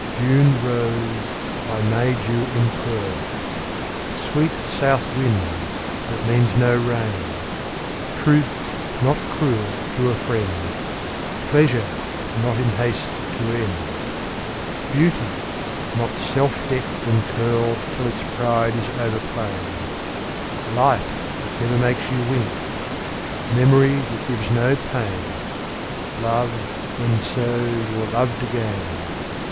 June rose, by May dew impearled; Sweet south wind, that means no rain; Truth, not cruel to a friend; Pleasure, not in haste to end; Beauty, not self decked and curled Till its pride is over plain; Light, that never makes you wink; Memory, that gives no pain; Love, when, so, you're loved again.